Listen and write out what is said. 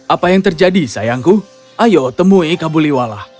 apa yang terjadi sayangku ayo temui kabuliwala